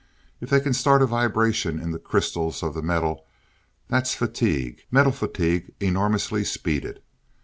If they can start a vibration in the crystals of the metal that's fatigue, metal fatigue enormously speeded.